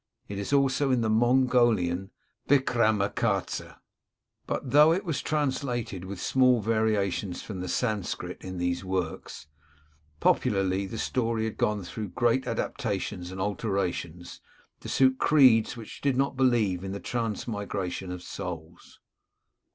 It is also in the Mongolian Vikramacarzta, But, though it was translated with small variations from the Sanscrit in these works, popularly the story had gone through great adapta 244 King Robert of Sicily tions and alterations to suit creeds which did not believe in the transmigration of souls.